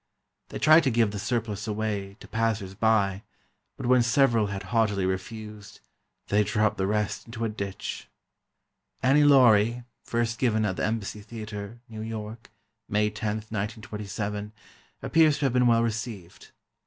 They tried to give the surplus away, to passersby, but when several had haughtily refused, they dropped the rest into a ditch. "Annie Laurie," first given at the Embassy Theatre, New York, May 10, 1927, appears to have been well received.